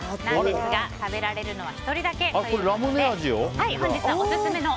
なんですが、食べられるのは１人だけということで。